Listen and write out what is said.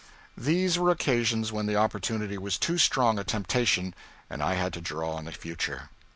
These were occasions when the opportunity was too strong a temptation, and I had to draw on the future.